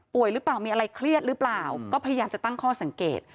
หรือเปล่ามีอะไรเครียดหรือเปล่าก็พยายามจะตั้งข้อสังเกต